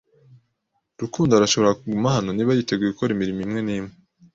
Rukundo arashobora kuguma hano niba yiteguye gukora imirimo imwe n'imwe.